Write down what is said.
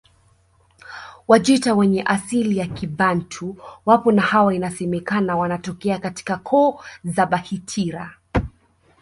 Wajita wenye asili ya Kibantu wapo na hawa inasemekana wanatokea katika koo za Bahitira